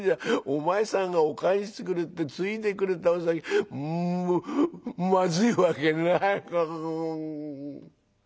お前さんがお燗してくれてついでくれたお酒まずいわけない」。